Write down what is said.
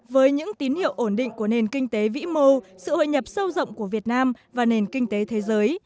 với những tín hiệu ổn định của nền kinh tế vĩ mô sự hội nhập sâu rộng của việt nam và nền kinh tế thế giới